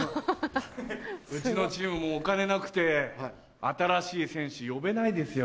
うちのチームお金なくて新しい選手呼べないですよ